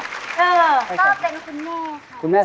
ก็เป็นคุณแม่ค่ะ